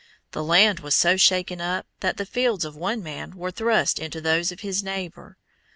The land was so shaken up that the fields of one man were thrust into those of his neighbor.